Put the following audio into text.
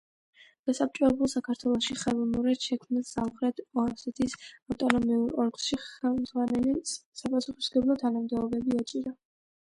გასაბჭოებულ საქართველოში ხელოვნურად შექმნილ სამხრეთ ოსეთის ავტონომიურ ოლქში ხელმძღვანელი საპასუხისმგებლო თანამდებობები ეჭირა.